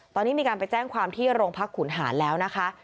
ตอนนี้มีการไปแจ้งความที่โรงพักขุนหารแล้วนะคะ